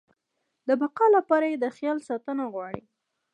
د بقا لپاره يې د خیال ساتنه غواړي.